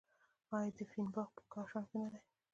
آیا د فین باغ په کاشان کې نه دی؟